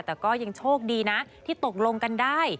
แต่ก็ยังโชคดีนะที่ตกลงกันได้